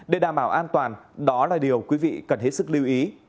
để đảm bảo an toàn đó là điều quý vị cần hết sức lưu ý